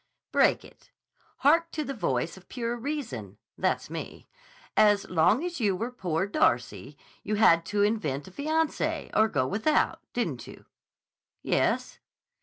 "Break it. Hark to the voice of Pure Reason (that's me). As long as you were 'Poor Darcy,' you had to invent a fiancé or go without, didn't you?" "Yes."